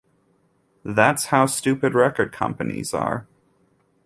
That's how stupid record companies are.